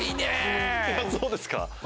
そうですか？